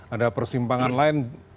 ada persimpangan lain